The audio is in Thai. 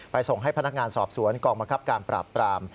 ส่งให้พนักงานสอบสวนกองบังคับการปราบปราม